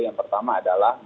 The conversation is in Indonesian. yang pertama adalah